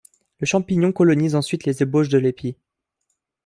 Le champignon colonise ensuite les ébauches de l'épi.